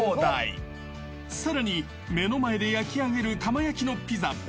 ［さらに目の前で焼き上げる窯焼きのピザ］